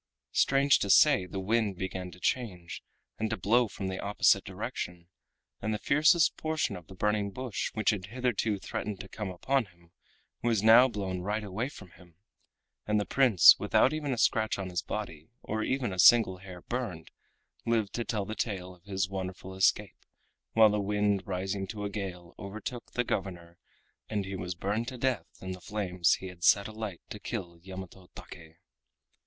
Strange to say the wind began to change and to blow from the opposite direction, and the fiercest portion of the burning bush which had hitherto threatened to come upon him was now blown right away from him, and the Prince, without even a scratch on his body or a single hair burned, lived to tell the tale of his wonderful escape, while the wind rising to a gale overtook the governor, and he was burned to death in the flames he had set alight to kill Yamato Take.